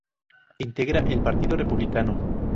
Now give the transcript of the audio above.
Integra el Partido Republicano.